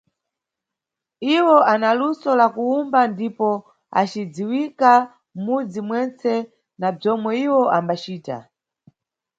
Iwo ana luso la kuwumba ndipo acidziwika mʼmudzi mwentse na bzomwe iwo ambacita.